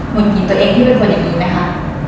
คนกินตัวเองที่เป็นคนอย่างนี้ไหมคะ